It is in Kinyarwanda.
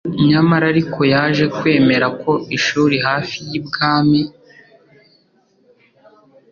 Nyamara ariko yaje kwemera ko ishuri hafi y'ibwami,